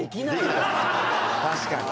確かに。